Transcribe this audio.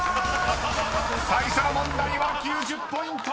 ［最初の問題は９０ポイント！］